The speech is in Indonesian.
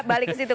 balik ke situ